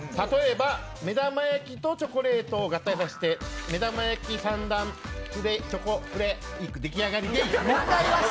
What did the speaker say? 例えば目玉焼きとチョコレートを合体させて目玉焼き三段チョコフレーク